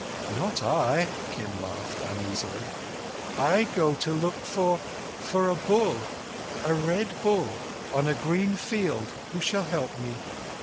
"Not I," Kim laughed uneasily. "I go to look for—for a bull—a Red. Bull on a green field who shall help me."